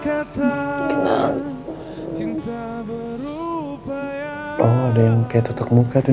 oh ada yang kayak tutup muka tuh